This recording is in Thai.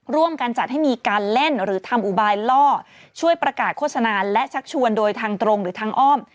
ร่วมกันจัดให้มีการเล่นหรือทำอุบายล่อช่วยประกาศโฆษณาและชักชวนโดยทางตรงหรือทางอ้อม